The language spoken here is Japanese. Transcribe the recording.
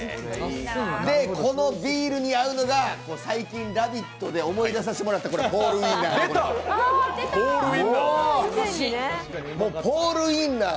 で、このビールに合うのが最近「ラヴィット！」で思い出させてもらったポールウインナー。